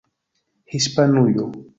Hispanujo